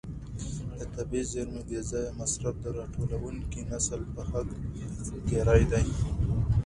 د طبیعي زیرمو بې ځایه مصرف د راتلونکي نسل په حق تېری دی.